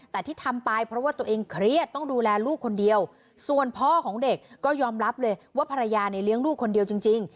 แต่ที่ทำไปเพราะว่าตัวเองเครียดต้องดูแลลูกคนเดียวส่วนพ่อของเด็กก็ยอมรับเลยว่าภรรยาเนี่ยเลี้ยงลูกคนเดียวจริง